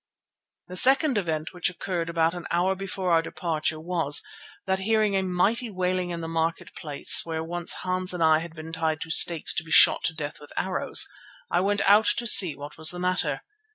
The second event, which occurred about an hour before our departure, was, that hearing a mighty wailing in the market place where once Hans and I had been tied to stakes to be shot to death with arrows, I went out to see what was the matter.